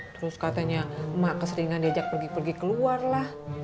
terus katanya emak keseringan diajak pergi pergi keluar lah